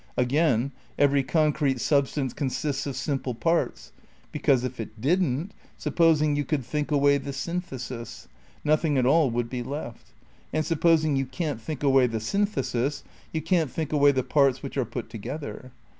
Again, every concrete substance consists of simple parts, because, if it didn't, supposing you could think away the synthesis, nothing at all would be left; and supposing you can't think away the synthesis, you can't think away the parts which are put together.